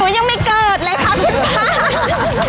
ยังไม่เกิดเลยค่ะคุณป้า